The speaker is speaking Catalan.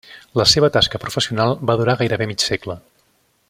La seva tasca professional va durar gairebé mig segle.